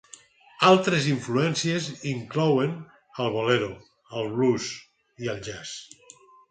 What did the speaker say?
Altres influències inclouen el bolero, el blues i el jazz.